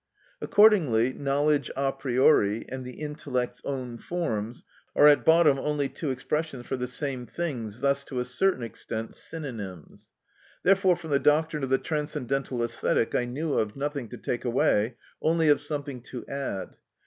Accordingly, "knowledge a priori" and "the intellect's own forms" are at bottom only two expressions for the same things thus to a certain extent synonyms. Therefore from the doctrine of the Transcendental Æsthetic I knew of nothing to take away, only of something to add.